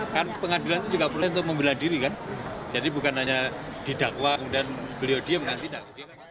kan pengadilan itu juga boleh untuk membela diri kan jadi bukan hanya didakwa kemudian beliau diem kan tidak